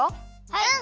うん！